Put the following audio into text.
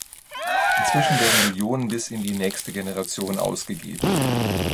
Inzwischen werden Billionen bis in die nächste Generation ausgegeben.